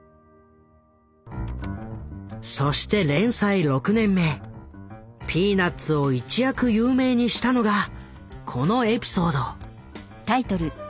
そして連載６年目「ピーナッツ」を一躍有名にしたのがこのエピソード。